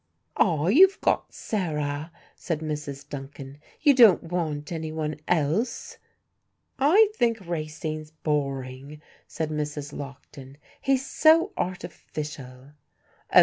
"Ah! you've got Sarah," said Mrs. Duncan, "you don't want anyone else." "I think Racine's boring," said Mrs. Lockton, "he's so artificial." "Oh!